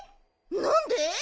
なんで？